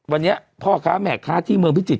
วันนี้พ่อค้าแม่ค้าที่เมืองพิจิตร